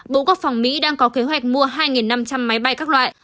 bộ quốc phòng mỹ đang có kế hoạch mua hai năm trăm linh máy bay các loại